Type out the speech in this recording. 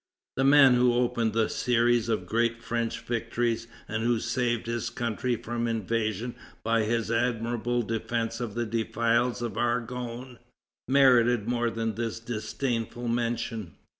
The man who opened the series of great French victories, and who saved his country from invasion by his admirable defence of the defiles of Argonne, merited more than this disdainful mention.